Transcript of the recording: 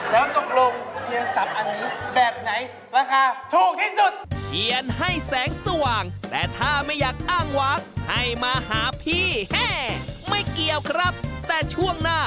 แล้วตรงเพียงสับอันนี้แบบไหนราคาถูกที่สุด